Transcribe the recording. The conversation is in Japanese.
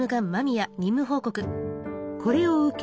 これを受け